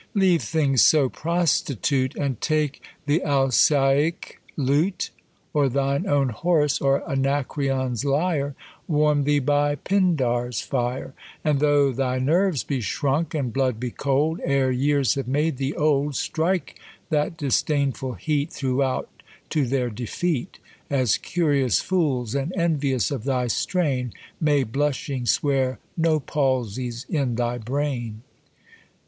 Leave things so prostitute, And take the Alcæick lute, Or thine own Horace, or Anacreon's lyre; Warm thee by Pindar's fire; And, tho' thy nerves be shrunk, and blood be cold, Ere years have made thee old, Strike that disdainful heat Throughout, to their defeat; As curious fools, and envious of thy strain, May, blushing, swear no palsy's in thy brain.